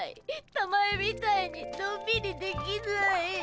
たまえみたいにのんびりできない。